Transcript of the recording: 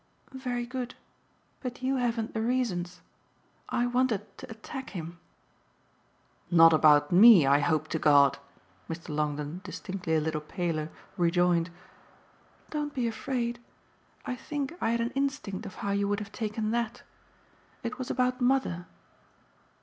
"Very good. But you haven't the reasons. I wanted to attack him." "Not about me, I hope to God!" Mr. Longdon, distinctly a little paler, rejoined. "Don't be afraid. I think I had an instinct of how you would have taken THAT. It was about mother."